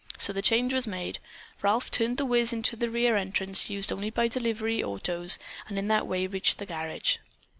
So the change was made. Ralph turned The Whizz into a rear entrance, used only by delivery autos, and in that way reached the garage.